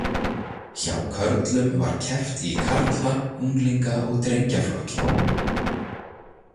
Hjá körlum var keppt í karla-, unglinga- og drengjaflokki.